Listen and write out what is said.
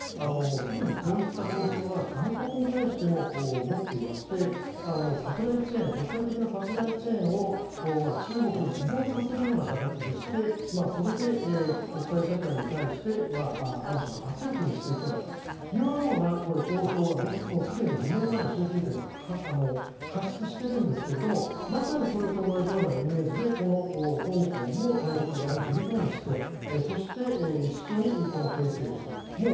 すでにこういった構想は外国に対しても持っていまして国際的なサプライチェーンを中国に依存させるような形にして国際社会に対してある種の圧力にしていくんだというような構想がすでに２年前に習近平さんは発出しているんですけどもまさにそれと同じようなイメージでこの香港も大陸側にビルトインしてそして、一緒に形成をしていく。